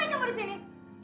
aku mau ke rumah ini ibu